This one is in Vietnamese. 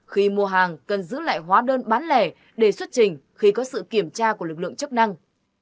khi mua hàng cần giữ lại hóa đơn bán lẻ để xuất trình khi có sự kiểm tra của lực lượng chức năng